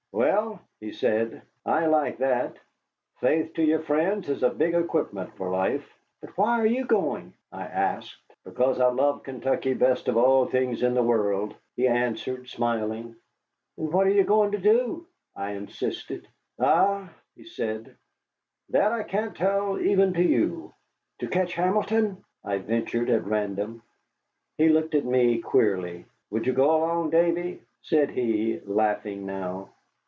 "Well," he said, "I like that. Faith to your friends is a big equipment for life." "But why are you going?" I asked. "Because I love Kentucky best of all things in the world," he answered, smiling. "And what are you going to do?" I insisted. "Ah," he said, "that I can't tell even to you." "To catch Hamilton?" I ventured at random. He looked at me queerly. "Would you go along, Davy?" said he, laughing now.